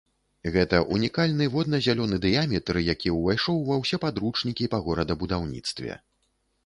Гэта ўнікальны водна-зялёны дыяметр, які ўвайшоў ва ўсе падручнікі па горадабудаўніцтве.